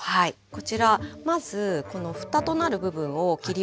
こちらまずこのふたとなる部分を切り落とします。